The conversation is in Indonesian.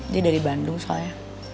dia dari bandung soalnya